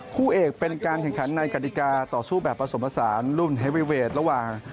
คู่เอกเป็นการแข่งขันในกฎิกาต่อสู้แบบผสมผสานรุ่นเฮวีเวทระหว่าง